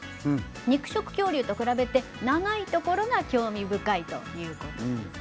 肉食恐竜と比べて長いところが興味深いということです。